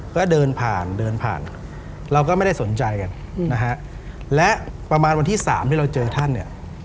ก็เดินผ่านเดินผ่านเราก็ไม่ได้สนใจกันนะฮะและประมาณวันที่สามที่เราเจอท่านเนี่ย